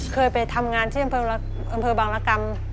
เคยไปทำงานที่อำเภอบางรกรรม